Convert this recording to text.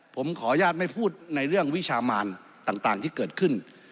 ผมขออนุญาตไม่พูดในเรื่องวิชามานต่างที่เกิดขึ้น